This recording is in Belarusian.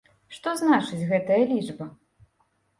Што значыць гэтая лічба?